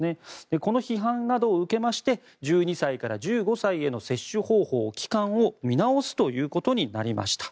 この批判などを受けまして１２歳から１５歳への接種方法・期間を見直すということになりました。